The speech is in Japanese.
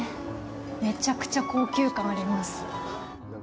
めちゃくちゃ高級感あります。